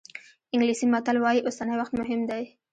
انګلیسي متل وایي اوسنی وخت مهم دی.